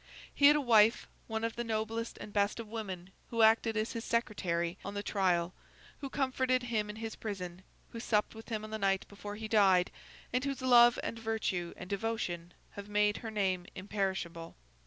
He had a wife, one of the noblest and best of women, who acted as his secretary on his trial, who comforted him in his prison, who supped with him on the night before he died, and whose love and virtue and devotion have made her name imperishable.